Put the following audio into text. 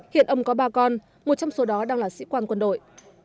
hiện ông có ba con một trong số đó đang là sĩ quan quân đội